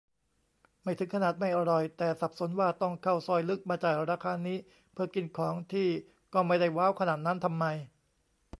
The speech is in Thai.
ไม่ถึงขนาดไม่อร่อย แต่สับสนว่า ต้องเข้าซอยลึกมาจ่ายราคานี้ เพื่อกินของที่ก็ไม่ได้ว้าวขนาดนั้นทำไม